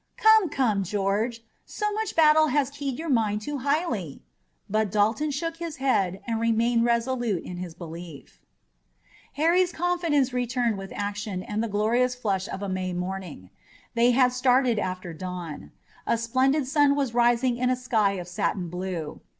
"Come, come, George! So much battle has keyed your mind too highly." But Dalton shook his head and remained resolute in his belief. Harry's confidence returned with action and the glorious flush of a May morning. They had started after dawn. A splendid sun was rising in a sky of satin blue.